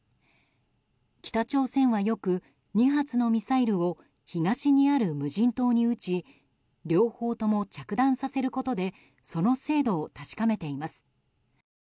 北朝鮮はよく２発のミサイルを東にある無人島に撃ち両方とも着弾させることでその精度を確かめています。